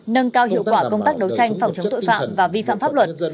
nâng cao hiệu quả công tác đấu tranh phòng chống tội phạm và vi phạm pháp luật